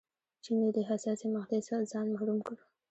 چین له دې حساسې مقطعې ځان محروم کړ.